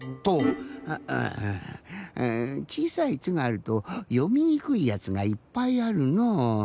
ああぁちいさい「ツ」があるとよみにくいやつがいっぱいあるのう。